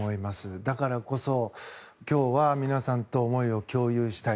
だからこそ、今日は皆さんと思いを共有したい。